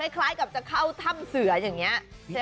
คล้ายกับจะเข้าถ้ำเสืออย่างนี้